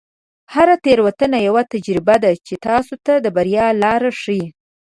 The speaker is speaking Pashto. هره تیروتنه یوه تجربه ده چې تاسو ته د بریا لاره ښیي.